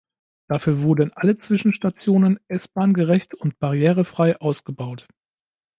Dafür wurden alle Zwischenstationen S-Bahn-gerecht und barrierefrei ausgebaut.